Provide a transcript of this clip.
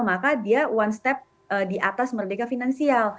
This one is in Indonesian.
maka dia one step di atas merdeka finansial